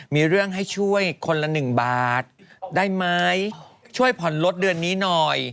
มีเรื่องให้ช่วยคนละหนึ่งบาทได้ไหมช่วยผ่อนลดเดือนนี้หน่อย